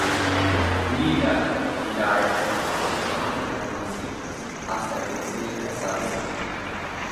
Leela y Lars comienzan a tener más citas, hasta que deciden casarse.